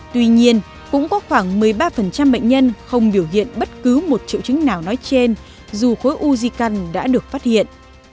tuy nhiên cũng có khoảng một mươi ba bệnh nhân không biểu hiện bất cứ một triệu chứng nào nói trên dù khối uzi can đã được phát hiện